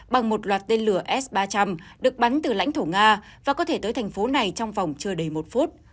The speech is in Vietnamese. bằng một loạt tên lửa s ba trăm linh được bắn từ lãnh thổ nga và có thể tới thành phố này trong vòng chưa đầy một phút